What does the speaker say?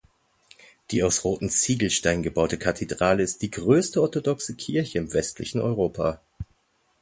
Die aus roten Ziegelsteinen gebaute Kathedrale ist die größte orthodoxe Kirche im westlichen Europa.